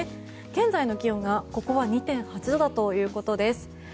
現在の気温が２．８度だということです。